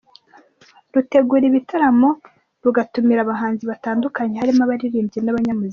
rutegura ibitaramo rugatumiramo abahanzi batandukanye harimo abaririmbyi n'abanyamuziki.